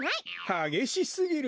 はげしすぎる。